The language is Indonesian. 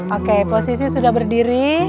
oke posisi sudah berdiri